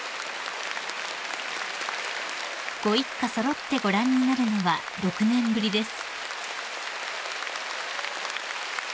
［ご一家揃ってご覧になるのは６年ぶりです］